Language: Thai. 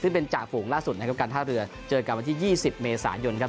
ซึ่งเป็นจ่าฝูงล่าสุดนะครับการท่าเรือเจอกับวันที่๒๐เมษายนครับ